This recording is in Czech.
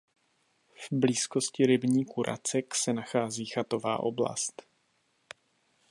V blízkosti rybníku Racek se nachází chatová oblast.